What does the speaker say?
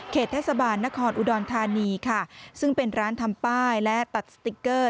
เทศบาลนครอุดรธานีค่ะซึ่งเป็นร้านทำป้ายและตัดสติ๊กเกอร์